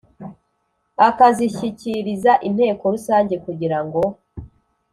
akazishyikiriza Inteko Rusange kugira ngo